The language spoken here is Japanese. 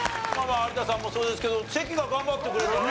有田さんもそうですけど関が頑張ってくれたね。